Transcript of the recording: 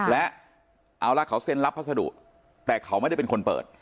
และเอาละเขาเซ็นรับพัสดุแต่เขาไม่ได้เป็นคนเปิด